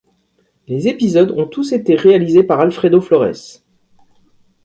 Les épisodes ont tous été réalisés par Alfredo Flores.